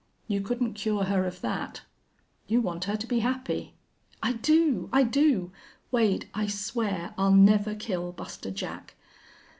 You couldn't cure her of that. You want her to be happy." "I do I do. Wade, I swear I'll never kill Buster Jack.